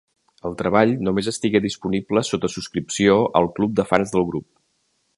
El treball només estigué disponible sota subscripció al club de fans del grup.